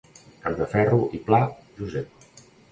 Capdeferro i Pla, Josep.